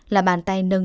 là bàn tay nâng